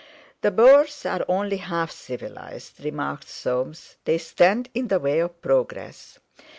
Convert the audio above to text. "The Boers are only half civilised," remarked Soames; "they stand in the way of progress.